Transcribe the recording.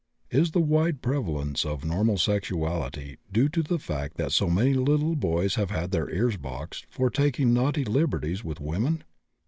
Is the wide prevalence of normal sexuality due to the fact that so many little boys have had their ears boxed for taking naughty liberties with women?